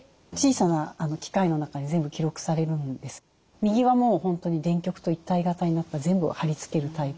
右はもう本当に電極と一体型になった全部を貼り付けるタイプ。